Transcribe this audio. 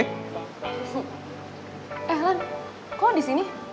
eh lan kok lo disini